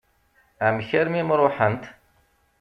Amek armi i m-ṛuḥent?